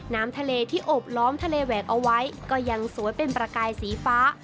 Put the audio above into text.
น้ำทะเลที่อบล้อมทะเลแหวกเอาไว้ก็ยังสวยเป็นประกายสีฟ้า